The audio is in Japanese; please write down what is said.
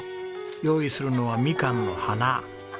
用意するのはみかんの花。